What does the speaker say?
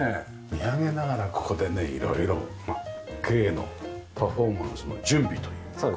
見上げながらここでね色々芸のパフォーマンスの準備という事ですよ。